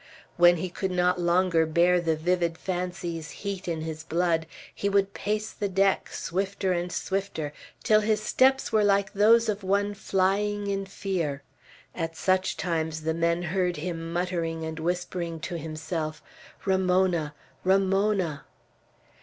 When he could not longer bear the vivid fancies' heat in his blood, he would pace the deck, swifter and swifter, till his steps were like those of one flying in fear; at such times the men heard him muttering and whispering to himself, "Ramona! Ramona!"